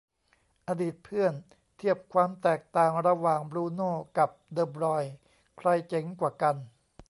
อดีตเพื่อน เทียบความแตกต่างระหว่าง บรูโน่ กับ เดอ บรอยน์ ใครเจ๋งกว่ากัน